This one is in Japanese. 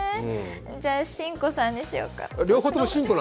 じゃ、しんこさんにしようかな。